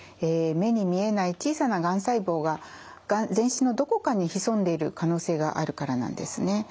目に見えない小さながん細胞が全身のどこかに潜んでいる可能性があるからなんですね。